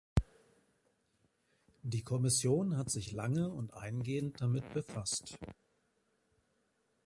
Die Kommission hat sich lange und eingehend damit befasst.